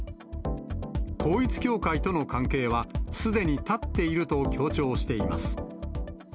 統一教会との関係は、すでに断っていると強調しています。